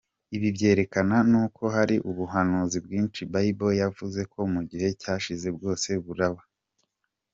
Ikibyerekana nuko hari ubuhanuzi bwinshi Bible yavuze mu gihe cyashize, bwose buraba.